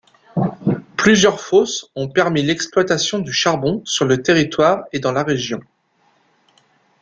Plusieurs fosses ont permis l'exploitation du charbon sur le territoire et dans la région.